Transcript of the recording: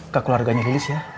ke keluarganya lilis ya